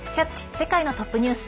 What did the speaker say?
世界のトップニュース」。